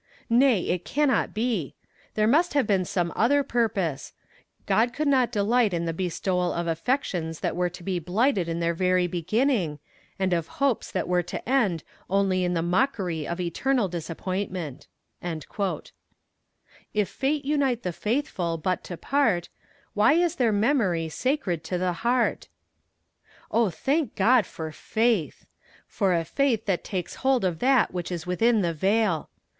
Nay, it cannot be. There must have been some higher purpose; God could not delight in the bestowal of affections that were to be blighted in their very beginning, and of hopes that were to end only in the mockery of eternal disappointment." If fate unite the faithful but to part, Why is their memory sacred to the heart? Oh, thank God for FAITH! for a faith that takes hold of that which is within the veil.